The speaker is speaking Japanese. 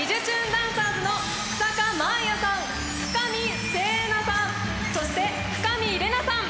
ダンサーズの日下麻彩さん深見星奈さんそして深見玲奈さん。